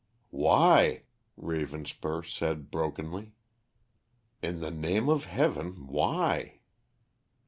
"Why?" Ravenspur said brokenly. "In the name of Heaven, why?"